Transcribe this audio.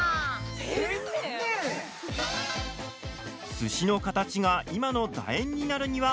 すしのカタチが今の、だ円になるには